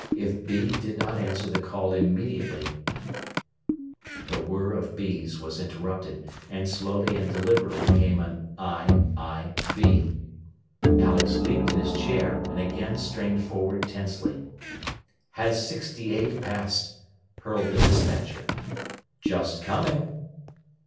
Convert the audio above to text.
If "B" did not answer the call immediately The whir of "B's" was interrupted, and slowly and deliberately came an "I, I, B." Alex leaped in his chair, and again strained forward tensely. "Has 68 passed?" hurled the despatcher. "Just coming."